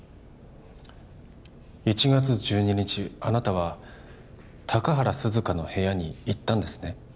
１月１２日あなたは高原涼香の部屋に行ったんですね